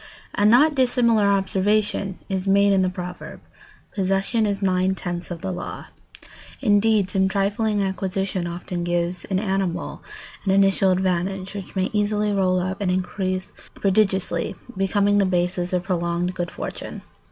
A not dissimilar observation is made in the proverb: "Possession is nine tenths of the law." Indeed, some trifling acquisition often gives an animal an initial advantage which may easily roll up and increase prodigiously, becoming the basis of prolonged good fortune.